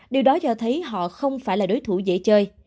điều đó cho thấy họ không phải là đối thủ dễ chơi